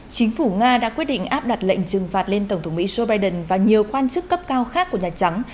chính phủ nga đã quyết định áp đặt lệnh trừng phạt lên tổng thống mỹ joe biden và nhiều quan chức cấp cao khác của nhà trắng